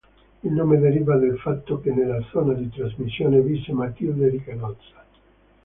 Il nome deriva dal fatto che nella zona di trasmissione visse Matilde di Canossa.